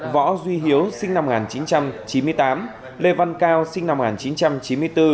võ duy hiếu sinh năm một nghìn chín trăm chín mươi tám lê văn cao sinh năm một nghìn chín trăm chín mươi bốn